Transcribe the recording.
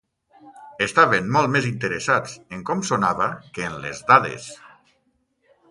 Estaven molt més interessats en com sonava que en les dades!